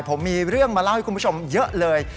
ผมมีเรื่องมาเล่าให้คุณผู้ชมเยอะเลย